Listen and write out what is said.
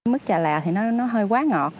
mức trà lạ thì nó hơi quá ngọt